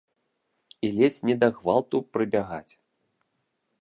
І ледзь не да гвалту прыбягаць?